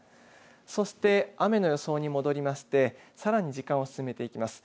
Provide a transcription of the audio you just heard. そして雨の予想に戻りましてさらに時間を進めていきます。